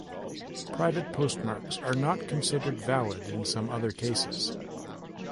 Private postmarks are not considered valid in some other cases.